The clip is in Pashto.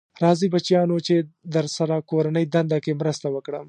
راځی بچیانو چې درسره کورنۍ دنده کې مرسته وکړم.